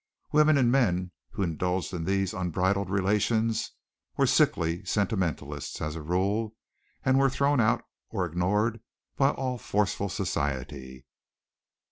Women and men who indulged in these unbridled relations were sickly sentimentalists, as a rule, and were thrown out or ignored by all forceful society.